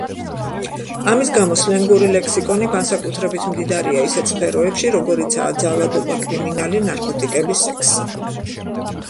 ამის გამო სლენგური ლექსიკონი განსაკუთრებით მდიდარია ისეთ სფეროებში, როგორიცაა ძალადობა, კრიმინალი, ნარკოტიკები, სექსი.